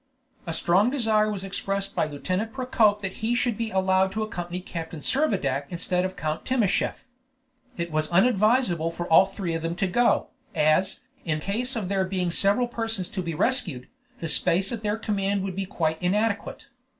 A strong desire was expressed by Lieutenant Procope that he should be allowed to accompany Captain Servadac instead of Count Timascheff. It was unadvisable for all three of them to go, as, in case of there being several persons to be rescued, the space at their command would be quite inadequate.